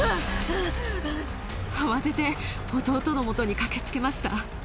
慌てて、弟のもとに駆けつけました。